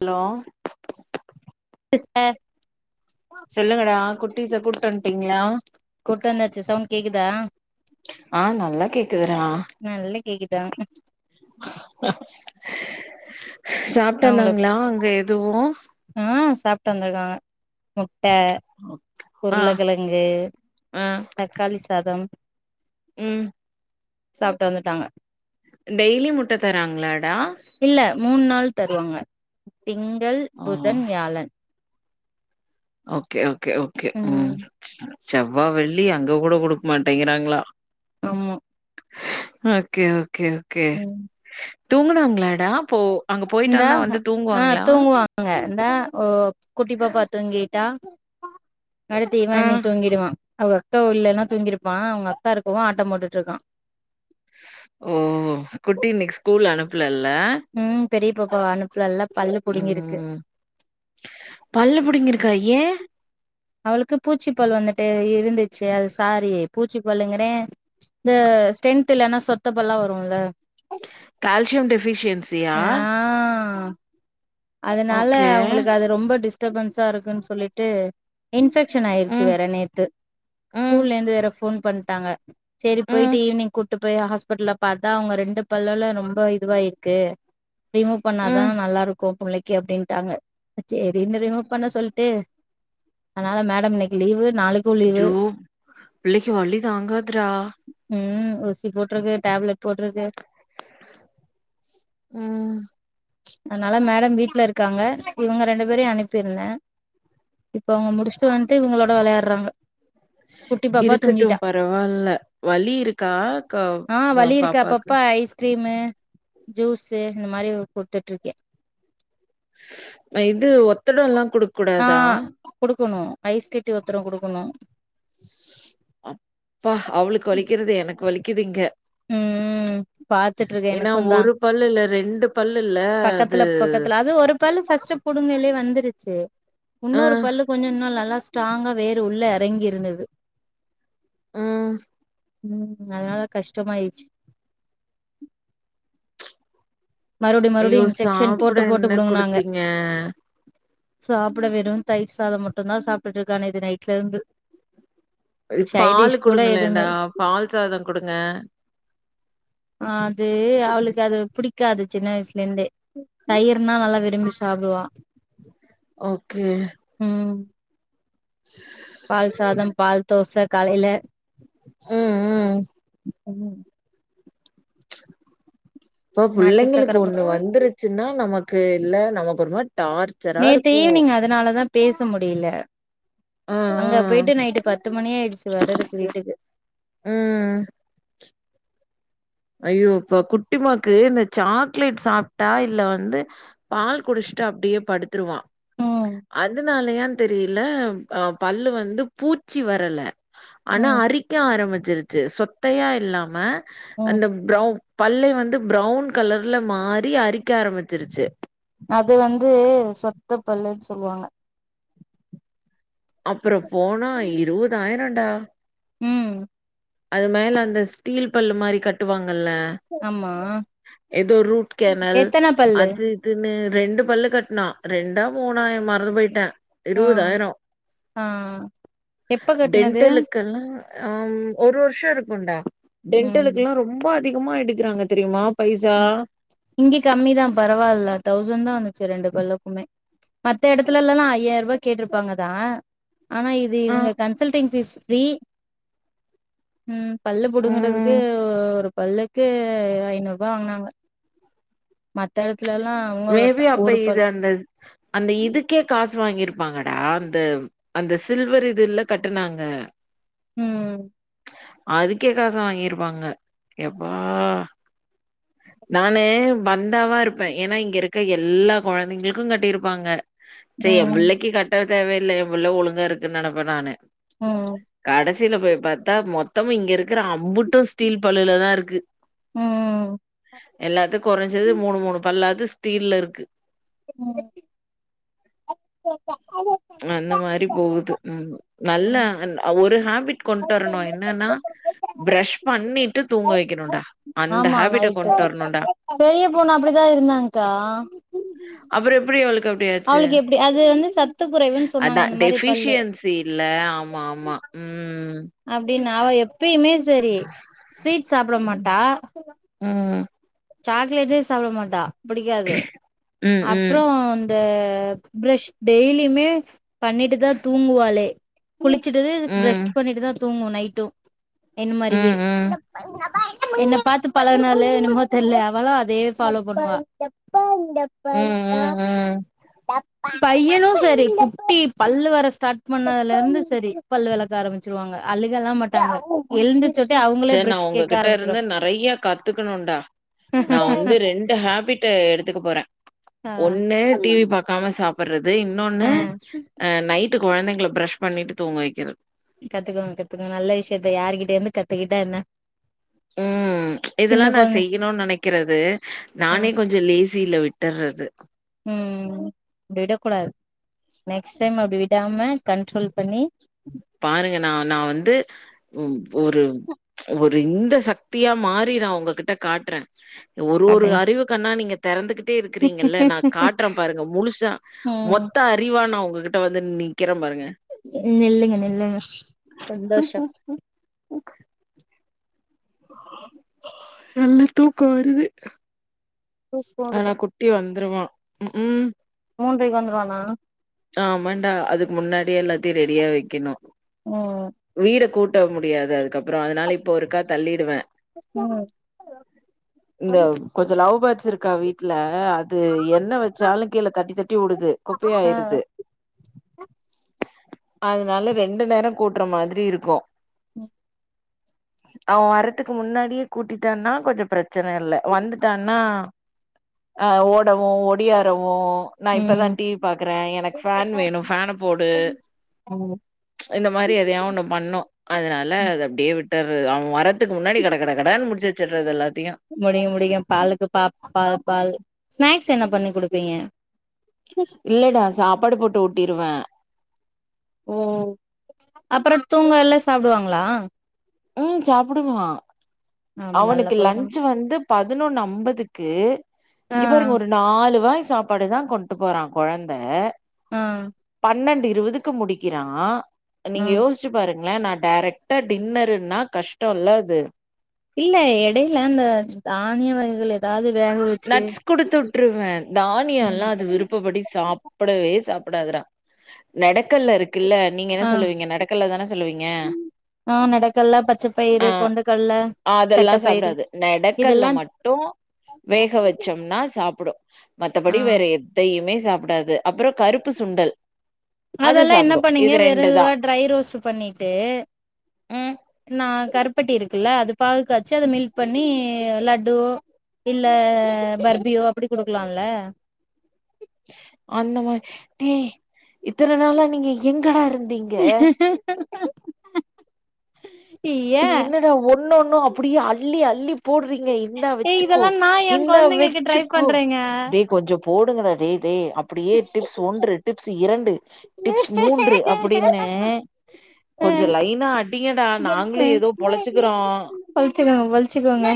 Hello sister சொல்லுங்கடா குட்டீச கூட்டு வந்ட்டீங்களா கூட்டு வந்தாச்சு சவுண்ட் கேக்குதா ஆ நல்லா கேக்குதுறா நல்லா கேக்குதா சாப்ட்டு அவங்கள வந்தாங்ளா அங்க எதுவு ஆ சாப்ட்டு வந்திருக்காங்க முட்ட ஆ உருளக்கெழங்கு ஆ தக்காளி சாதம் ம் சாப்ட்டு வந்துட்டாங்க டெய்லி முட்ட தராங்ளாடா இல்ல மூண் நாள் தருவாங்க திங்கள் ஆ புதன் வியாழன் ஓகே ஓகே ஓகே ம் செவ்வா வெள்ளி அங்க கூட குடுக் மாட்டேங்கிறாங்களா ஆமா ஓகே ஓகே ஓகே ம் தூங்குனாங்ளாடா ப்போ அங்க போயிட்டாந்தா வந்து தூங்குவாங்ளா ங்க இந்தா ஓ குட்டிபாப்பா தூங்கிட்டா அடுத்து ஆ இவன் ண்ணி தூங்கிடுவா அவுக அக்கா உல்லன்னா தூங்கிருப்பா அவுங்க அக்கா இருக்கவு ஆட்டம் போட்டுட்ருக்கா ஓ குட்டி இன்னைக்கி ஸ்கூல் அனுப்புலல்ல ம் பெரிய பாப்பாவ அனுப்புலல்ல பல்லு புடுங்கிருக்கு ம் பல்லு புடிங்கிருக்கா ஏ அவளுக்கு பூச்சிப் பல்லு வந்துட்டு இருந்துச்சு அது சாரி பூச்சிப்பல்லுங்கிறே இந்த ஸ்டென்த் இல்லன்னா சொத்தபல்லா வருல்ல கால்சியம் டெஃபிஷியன்சியா ஆ அதனால ஓகே அவுங்களுக்கு அது ரொம்ப டிஸ்டர்பன்ஸா இருக்குன் சொல்லிட்டு இன்ஃபெக்ஷன் ஆயிருச்சு ம், வேற நேத்து ம், ஸ்கூல்லேருந்து வேற ஃபோன் பண்ட்டாங்க செரி போயிட்டு ம், ஈவினிங் கூட்டு போய் ஹாஸ்பிடல்ல பாத்தா அவுங்க ரெண்டு பல்லல ரொம்ப இதுவாயிருக்கு ரிமூவ் பண்ணாதா ம். நல்லாருக் கூ புள்ளைக்கி அப்டின்ட்டாங்க சேரி ரிமூவ் பண்ண சொல்ட்டு அனால மேடம் இன்னக்கி லீவு நாளை ஜோ புள்ளைக்கு வலி தாங்காதடா ம் ஊசி போட்ருக்கு டேப்லெட் போட்ருக்கு ம் அதனால மேடம் வீட்டுல இருக்காங்க இவுங்க ரெண்டு பேரையு அனுப்பிருந்தே இப்ப அவுங்க முடிச்ட்டு வந்ட்டு இவுங்களோட வெளையாட்றாங்க இருக்கட்டும் பரவால்ல வலி இருக்கா கா பாப்பாக்கு க்ரீமு ஜூஸு இந்த மாரி ஒரு குட்த்துட்ருக்கே ம இது ஒத்தடோலா குடுக் ஆ குடுக்கணு ஐஸ் கட்டி ஒத்தடோ குடுக்குணு அப்பா அவ்ளுக் வலிக்கற்து எனக்கு வலிக்கிது இங்க ம் பாத்துட்டு இருக்கே ஏனா எனக்குந்தா ஒரு பல்லு இல்ல ரெண்டு பல்லுல்ல அது பக்கத்துல பக்கத்துல அது ஒரு பல்லு ஃபர்ஸ்ட்டு புடுங்கயில வந்துருச்சு அ, உன்னொரு பல்லு கொஞ்ச இன்னு நல்லா ஸ்டாங்கா வேற உள்ள எறங்கி இருந்துது ம் ம் அதனால கஷ்ட்டமாயிருச்சு மறுவடியு ஐயோ! மறுவடியு இன்செக்ஷன் சாப்பிட போட்டு போட்டு என்ன புடுங்குனாங்க குடுத்தீங்க? சாப்புட வெறு தயிர் சாத மட்டுந்தா சாப்ட்டுட்ருக்கா நேத்து நைட்லருந்து பாலு எதுவுமே குடுங்கலேன்டா இல்ல. பால் சாத குடுங்க அது அவ்ளுக் அது புடிக் காது சின்ன வய்சுலேந்தே தயிர்னா நல்லா விரும்பி சாப்டுவா ஓகே ம் பால் சாதம் பால் தோச காலையில ம் ம் ம் போ நாட்டு சக்கர புள்ளைங்களுக்கு ஒன்னு போட்டு வந்துருச் சின்னா நமக்கு இல்ல நமக்கு ஒரு மாரி டார்ச் நேத்து ஈவனிங் அதனால தா பேச முடியில ஆ ஆ அங்க போயிட்டு நைட்டு பத்து மணி ஆயிடுச்சு வர்றதுக்கு வீட்டுக்கு ம் ஐயோ இப்ப குட்டிமாக்கு இந்த சாக்லேட் சாப்ட்டா இல்ல வந்து பால் குடிச்ட்டு அப்டியே படுத்துருவா ம் அதனாலயான் தெரிய்ல அ பல்லு வந்து பூச்சி வரல அனா ம் அரிக்க ஆரமிச்சிருச்சு சொத்தையா இல்லாம ம் அந்த ப்ரெளன் பல்லே வந்து ப்ரௌன் கலர்ல மாறி அரிக்க ஆரமிச்சிருச்சு அது வந்து சொத்த பல்லுன் சொல்வாங்க அப்புற போனா இருவதாயிரம்டா ம் அது மேல அந்த ஸ்டீல் பல் மாரி கட்டுவாங்கல்ல ஆமா எதோ ரூட் கேனல் எத்தன பல்லு அது குன்னு ரெண்டு பல்லு கட்னா ரெண்டா மூணா எ மறந்து போய்ட்ட ஆ இருபதாயிரோ ஆ எப்ப கட்னது டென்டலுக்கெல்லா ஆம் ஒரு வர்ஷ இருக்கும்டா ம் டென்டலுக்குல்லா ரொம்ப அதிகமா எடுக்குறாங்க தெரியுமா பைசா இங்கே கம்மி தா பரவால்ல தௌசண்ட் தா வந்துச்சு ரெண்டு பல்லுக்குமே மத்த எடத்துலல்லலா ஐயாயர்பா கேட்ருப்பாங்க தா ஆனா இது இவங்க ம் கன்சல்டிங் பீஸ் ஃப்ரீ ம் பல்லு புடுங்குறதுக்கு ம் ஒரு பல்லுக்கு ஐநூறுபா வாங்குனாங்க மத்த எடத்துலல்லா உங்க மேபி ஒரு பல் [unintelligible] அந்த இதுக்கே காசு வாங்கிருப்பாங்கடா அந்த அந்த சில்வர் இதுல்ல கட்டுனாங்க ம் அதுக்கே காசு வாங்கிருப்பாங்க எப்பா நானு பந்தாவா இருப்பே ஏன்னா இங்க இருக்க எல்லா கொழந்தைங்களுக்கு கட்டியிருப்பாங்க செய் என் ம் பிள்ளைக்கு க கட்ட தேவையில்லை என்புள்ள ஒழுங்கா இருக்குன்னு நெனைப்ப நானு ஒ கடைசியில போய் பாத்தா மொத்தமு இங்க இருக்கிற அம்புட்டு ஸ்டீல் பல்லுலதா இருக்கு ம் எல்லாத்து கொறைஞ்சது மூணு மூணு பல்லாது ஸ்டீல்ல இருக்கு ம் [unintelligible] அந்த மாரி போகுது ம் நல்லா ம் அந் ஒரு ஹேபிட் கொண்டு வரணு என்னன்னா பிரஷ் பண்ணிட்டு தூங்க வைக்கணும்டா அந்த ஆமா ஹேபிட்ட நைட்டு கொண்டு வரணும்டா பெரிய பொண்ணு அப்டிதான் இருந்தாங்க்கா அப்றோ எப்டி அவளுக்கு அப்டியாச்சு அவளுக்கு எப்டி அது வந்து சத்து குறைவுன்னு அதா சொன்னாங்க அந்த மாரி பல்லு டெஃபியன்ஸ் இல்ல ஆமா ஆமா ம் அப்டின்னு அவ எப்பயுமே செரி ஸ்வீட் சாப்ட மாட்டா அ சாக்லேட்டே சாப்ட மாட்டா பிடிக்காது ம், ம். அப்றோ அந்த ப்ரஷ் டெய்லியுமே பண்ணிட்டு தா தூங்குவாளே குளிச்சுட்டுது ம். பரஷ் பண்ணிட்டு தா தூங்கும் நைட்டும் என்ன மாரியே ம், ம். என்ன பாத்து பழகுனால என்னமோ தெரியல அவளு அதயே ஃபாலோ பண்ணுவா ம் ம் ம் பையனு சரி குட்டி பல்லு வர ஸ்டாட் பண்ணதுல இருந்து சரி பல் வெளக்க ஆரம்பச்சிருவாங்க அழுக எல்லா மாட்டாங்க [unintelligible] செரி நா கேக்க உங்ககிட்ட இருந்து ஆரம்பிச்சிருவாங்க நறைய கத்துக்கணும்டா நா வந்து ரெண்டு ஹேபிட் எடுத்துக்க போறே ஆ ஒண்ணு டிவி பா க்காம சாப்டுறது இன்னொன்னு ஆ அ நைட்டு கொழந்தைங்கள பிரஷ் பண்ணிட்டு தூங்க வைக்கிறது கத்துக்கோங்க கத்துக்கோங்க நல்ல விஷயத்த யாருகிட்ட இருந்து கத்துக்கிட்டா என்ன ம் இதெல்லா சின்ன நா கொழந்த செய்யணு நெனைக்கிறது ஆ நானே கொஞ் கொஞ்சோ லேசியில விட்டுர்றது ம் அப்டி விடக்கூடாது நெக்ஸ்ட் டைம் அப்டி விடாம கண்ட்ரோல் பண்ணி பாருங்க நா நா வந்து ம் ஒரு ஒரு இந்த சக்தியா மாறி நா ஒங்ககிட்ட காட்டுறே ஒரு ஒரு ஆடுங்க அறிவு கண்ணா நீங்க தெறந்துகிட்டே இருக்கிறீங்கல்ல நா காட்டுறே பாருங்க முழுசா மொத் ம் மெத்தா‌ அறிவா நா ஒங்ககிட்ட வந்து நிக்கிறே பாருங்க நில்லுங்க நில்லுங்க சந்தோஷம் [inaudible] நல்லா துக்கம் வருது தூக்கோ ஆனா வருது குட்டி வந்துருவான் ம் மூன்றைக்கு வந்துடுவண்ணா ஆமாண்டா அதுக்கு முன்னாடியே எல்லாத்தையு ரெடியா வைக்கணு ம் ம் வீடு கூட்ட முடியாது அதுக்கப்றோ அதுனால இப்போ ஒருக்கா தள்ளிடுவே ம் இந்த கொஞ்சம் லவ் பேர்ட்ஸ் இருக்கா வீட்ல அது என்ன வச்சாலு கீழ தட்டி தட்டி வுடுது ஆ குப்பையாயிருது அதுனால ரெண்டு நேரோ கூட்டுற மாரி இருக்கு அவ வர்றத்துக்கு முன்னாடியே கூட்டிட்டான்னா கொஞ்சோ பிரச்சன இல்ல வந்துட்டான்னா ஆ ஓடவு ஒடியாரவு நா இப்பதா ம் டி வி பாக்குறே எனக்கு ஃபேன் வேணு ஃபேனு போடு ம் இந்த மாரி எதையா ஒண்ணு பண்ணு அதனால அது அப்டியே விட்டாறது அவ வர்ரதுக்கு முன்னாடி கட கட கடனு முடிச்சு வச்சறது எல்லாத்தையு முடி முடியு பாலுக்கு பா பால் பால் ஸ்நாக்ஸ் என்ன பண்ணி குடுப்பீங்க இல்லடா சாப்பாடு போட்டு ஊட்டிருவே ஓ அப்புறோ தூங்கயில சாப்டுவாங்களா ம் சாப்பிடுவா ஆ நல்ல அவனுக்கு பழக்கம் லன்ச் வந்து பதினொன்னு அம்பதுக்கு ஆ இங்க பாருங்க ஒரு நாலு வாய் சாப்பாடு தா கொண்டு போறான் கொழந்த ஆ பன்னெண்டு இருவதுக்கு முடிக்கிறா ஆ நீங்க யோசிச்சு பாருங்களே நா டேரக்ட்டா டின்னர்னா கஷ்டோல்ல அது இல்ல எடையில இந்த தானிய வகைகள் எதாவது வேக வச் நட்ஸ் குடுத்துவிட்ருவே தானியோல்லா ம் அது விருப் ப்படி சாப்டவே சாப்டாதுடா நெடக்கல்ல இருக் குல்ல நீங்க என்ன ஆ சொல்லுவீங்க நெடக்கல்ல தானே சொல்லுவீங்க ஆ நெடக்கல்ல பச்சைப்பயிறு ஆ. கொண்டக்கல்லா தட்டபயிறு இதெல்லா டோ வேக வச்சோம்னா சாப்புடு ஆ மத்தபடி வேற எத்தையுமே சாப்டாது அப்புறோ கருப்பு சுண்டல் அது அதெல்லா என்ன சாப்பிடும். பண்ணீங்க இது வெறும் இதுவா தான். ட்ரை ரோஸ்ட் பண்ணிட்டு ம். நா கருப்பட்டி இருக்குல்ல அது பாகுகாச்சு அத மில்க் பண்ணி லட்டு இல்ல பர்பியோ அப்டி குடுக்கலாம்ல அந்த மாரி டேய் இத்தன நாளா நீங்க எங்கடா இருந்தீங் [inaudible] ஏ டே என்னடா ஒன்னு ஒன்னு அப்டியே அள்ளி அள்ளி போடுறீங்க இந்தா ஏ வச்சுக்கோ இதெல்லா நா எ இந்தா கொழந்தைங்களுக்கு ட்ரை வச்சுக்கோ பண்றேங்க டே கொஞ்சோ போடுங்கடா டே டே அப்டியே டிப்ஸ் ஒன்று டிப்ஸ் இரண்டு டிப்ஸ் மூன்று அப்டின்னு ஆ கொஞ்ச லைனா அடிங்கடா நாங் களு எதோ பொழச்சுக்குறோ பழிச்சுக்கோங்க பழிச்சுக்கோங்க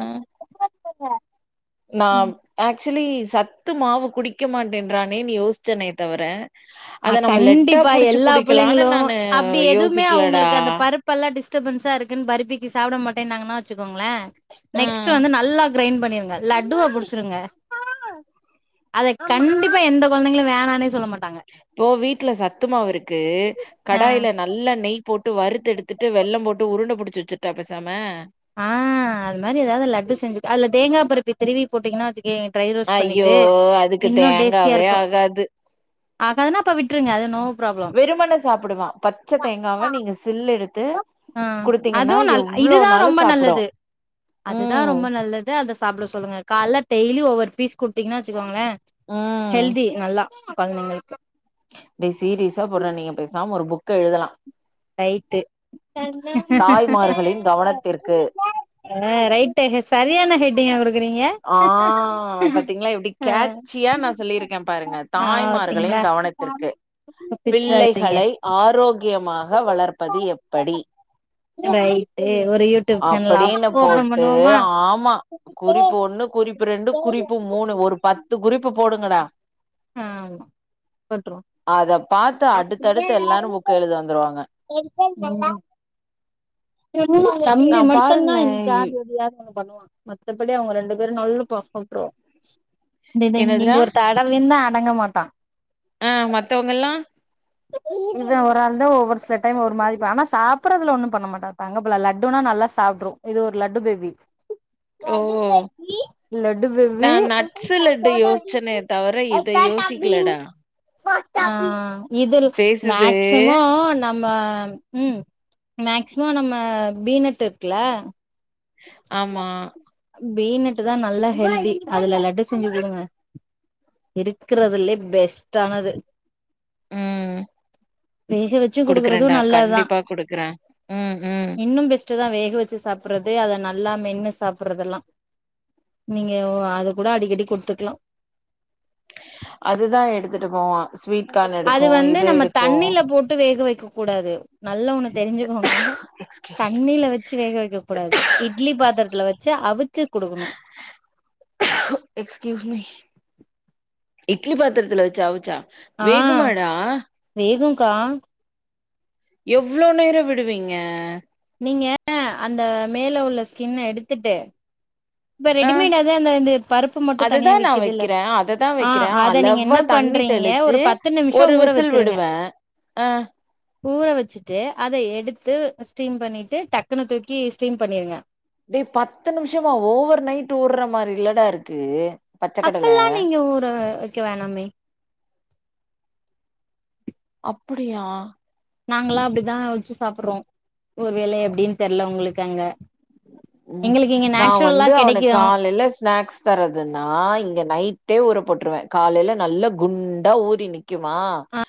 அ நா ஆக்சுவலி சத்து மாவு குடிக்க மாட்டேன்றானேனு யோசிச்சே நேத்து அவர அ கண்டிப்பா எல்லா குடிக்கலான்னு பிள்ளைங்களு நானு அப்டி எதுவுமே யோசிக்கலடா அவங்களுக்கு அந்த பருப் ல்லா டிஸ்டபென்ஸா இருக்குன்னு பர்ப்பிக்கு சாப்ட மாட்டேனாங்கனா வச்சுக்கோங்களே ஆ நெக்ஸ்டு வந்து நல்லா கிரைண் பண்ணிருங்க லட்டுவா புடிச்சிருங்க அத கண்டிப்பா எந்த கொழந்தைங்களு வேணானே சொல்ல மாட்டாங்க இப்போ வீட்ல சத்துமா இருக்கு ஆ கடாயில நல்லா நெய் போட்டு வறுத்து எடுத்துட்டு வெள்ளம் போட்டு உருண்ட புடிச்சு வச்சுட்டா பேசாம ஆ அது மாரி எதாவது லட்டு செஞ்சு அது தேங்காய் பருப்பி திருவி போட்டீங்கன்னா வச் எ ட்ரை ரோஸ்ட் ஐயோ பண்ணிட்டு அதுக்கு இன்னும் டேஸ்டியா தேங்காவே இருக்கும் ஆகாது ஆகதா அப்ப விட்ருங்க அது நோ ப்ராப்ளம் வெருமென சாப்டுவேன் பச்சை தேங்காவ நீங்க சில் எடுத் ஆ அதுவும் நல் இதுதான் நாளு ரொம்ப சாப்புடு நல்லது அதுதா ம் ரொம்ப நல்லத் த அத சாப்பிட சொல்லுங்க காலைல டெய்லி ஒவ்வொரு பீஸ் குடுத்தீங்கன்னா வச்சுக்கோங்களேன் ம் ஹெல்தி நல்லா பதினொன்னேக்கு இப்டி சீரியஸா போடுறான் நீங்க பேசாம ஒரு புக்க எழுதலாம் ரைட்டு தாய்மார்களின் கவனத்திற்கு ஆ ரைட்டு சரியான ஹெட்டுங்க ‌அவரு ஆ பாத்தீங்களா எப்டி ஆ காேட்சியா நான் சொல்லியிருக்கேன் பாருங்க ஆ தாய்மார்களின் பாத்தீங்களா கவனத் திற்க்கு தப்பிச்சிராதீங்க பிள்ளைகளை ஆரோக்கியமாக வளர்ப்பது எப்படி ரைட்டு ஒரு யூடியூப் சேனல் அப்டின்னு ஓபன் போட்டு பண்ணுவோமா ஆமா குறி குறிப்பு ஒண்ணு குறிப்பு ரெண்டு குறிப்பு மூணு ஒரு பத்து குறிப்பு போடுங்கடா ஆ அவ்ள்தான் பண்றோம் அத பார்த்து அடுத்தடுத்து எல்லாரும் புக் எழுத வந்துருவாங்க எக்க தமா நா சம்மி மட்டும்தான் பாருங்களே இன்னைக்கு யார்து யாரம் ஒண்ணு பண்ணுவான் மத்தபடி அவங்க ரெண்டு பேரும் நல்ல பாசம் விட்ரு இந்த இந்த இங்க என்னதுடா இங்க ஒரு தட இங்க இருந்தா அடங்க மாட்டான் ஆ மத்தவங்கல்லாம் [unintelligible] இவன் ஒரு ஆள் தான் ஒவ்வொரு சில டைம் ஒரு மாரி ஆனா சாப்படுறது ஒன்னும் பண்ண மாட்டாங்க தங்கபுள்ள லட்டுன்னா நல்லா சாப்ட்ரும் இது ஒரு லட்டு பேபி [unintelligible] லட்டு பேபி பிரச்சனைய தவர இதை யோசிக்கலடா ஆ இது பேசுது மேக்சிமம் நம்ம ம் மேக்ஸிமம் நம்ம பீனட் இருக்குல ஆமா பீனட் தான் நல்லா ஹெல்தி அதுல லட்டு செஞ்சு குடுங்க இருக்குறதுலே பெஸ்ட்டானது ம் வேக வச்சு குடுக்குறது குடுக்குறன்டா நல்லதுதா கண்டிப்பா குடுக்குறேன் ம் ம் புட்டு தான் வேக வச்சு சாப்பிடுறது அதை ந நல்லா மென்னு சாப்படுறதெல்லாம் நீங்க அது கூட அடிக்கடி குடுத்துக்கலாம் அதுதான் எடுத்துட்டு போவான் ஸ்வீட் கார்ன் அது எடுக்கும். வந்து இது நம்ம எடுக்கும். தண்ணில போட்டு வேக வைக்க கூடாது நல்ல ஒண்ணு தெரிஞ்சுக்கோங்க எக்ஸ்கியூஸ் மீ. தண்ணியில வச்சு வேக வைக்க கூடாது இட்லி பாத்திரத்துல வச்சு அவிச்சு குடுக்கணும் எக்ஸ்கியூஸ்மி இட்லி பாத்திரத்தில்ல வச்சி அவுச்சா ஆ வேகுங்க்கா எவ்ளோ நேரோ விடுவீங்க நீங்க அந்த மேல உள்ள ஸ்கின்ன எடுத்துட்டு இப்ப ஆ ரெடிமேடாவே அந்த இந்த பருப்பு மட்டு அததா தனியா நா விக்குதுல்ல வைக்கற அததா ஆ வைக்கிற அத நீங்க அளவா என்ன தண்ணி பண்றீங்க தெளிச்சு ஒரு பத்து நிமிஷோ ஒரு ஊற விசில் வச்சிருங்க விடுவ அ ஊற வச்சிட்டு அத எடுத்து ஸ்டீம் பண்ணிட்டு டக்குனு தூக்கி ஸ்டீம் பண்ணிருங்க டேய் பத்து நிம்ஷமா ஓவர் நைட்டு ஊற்ற மாரிலடா இருக்கு பச்ச கடல. அப்பில்லா நீங்க ஊர வைக்க வேணாமே அப்படியா நாங்களா அப்படிதா அவிச்சி சாப்படுறோ ஒரு வேளை எப்டின்னு தெர்ல உங்களுக்கு அங்க ம் எங்களுக்கு இங்க நா நேச்சுரலா வந்து அவனுக்கு கெடைக்கு காலையில ஸ்நாக்ஸ் தரதுன்னா இங்க நைட்டே ஊற போட்ருவ காலையில நல்ல குண்டா ஊறி நிக்குமா